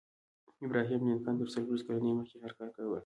ابراهم لینکن تر څلویښت کلنۍ مخکې هر کار کاوه